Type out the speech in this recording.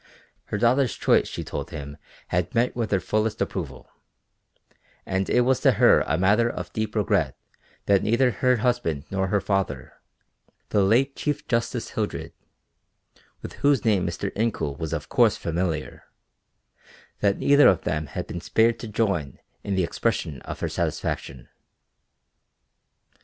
Her daughter's choice she told him had met with her fullest approval, and it was to her a matter of deep regret that neither her husband nor her father the late Chief Justice Hildred, with whose name Mr. Incoul was of course familiar that neither of them had been spared to join in the expression of her satisfaction.